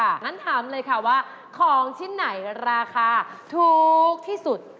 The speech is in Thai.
งั้นถามเลยค่ะว่าของชิ้นไหนราคาถูกที่สุด